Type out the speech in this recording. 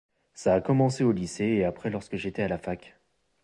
Ça a commencé au lycée et après lorsque j’étais à la fac.